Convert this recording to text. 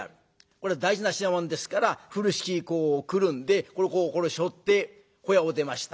これ大事な品物ですから風呂敷へくるんでこれをしょって小屋を出ました。